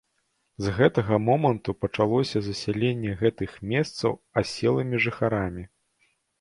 З гэтага моманту пачалося засяленне гэтых месцаў аселымі жыхарамі.